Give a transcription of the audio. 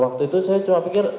waktu itu saya cuma pikir